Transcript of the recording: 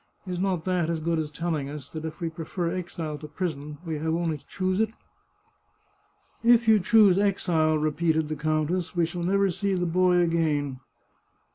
Is not that as good as telling us that if we prefer exile to prison we have only to choose it ?" 88 The Chartreuse of Parma " If you choose exile," repeated the countess, " we shall never see the boy again."